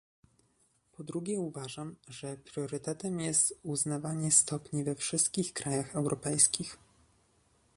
Po drugie uważam, że priorytetem jest uznawanie stopni we wszystkich krajach europejskich